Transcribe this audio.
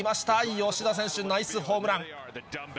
吉田選手、ナイスホームラン。